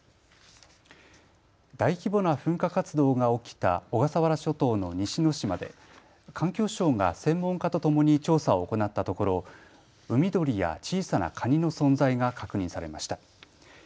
大規模な噴火活動が起きた小笠原諸島の西之島で環境省が専門家とともに調査を行ったところ海鳥や小さなカニの存在が確認されました。